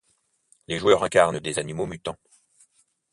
Les joueurs incarnent des animaux mutants.